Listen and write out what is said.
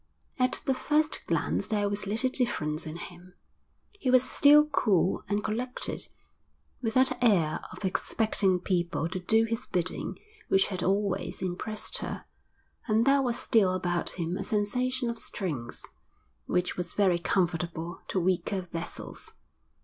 At the first glance there was little difference in him. He was still cool and collected, with that air of expecting people to do his bidding which had always impressed her; and there was still about him a sensation of strength, which was very comfortable to weaker vessels.